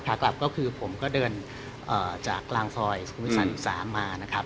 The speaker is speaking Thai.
ขากลับก็คือผมก็เดินจากกลางซอยสมุย๓๓มานะครับ